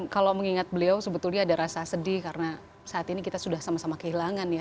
kalau mengingat beliau sebetulnya ada rasa sedih karena saat ini kita sudah sama sama kehilangan ya